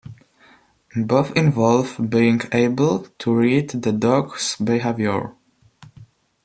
Both involve being able to read the dog's behavior.